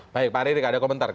baik pak riri tidak ada komentar